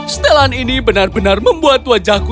setelan ini benar benar membuat wajahku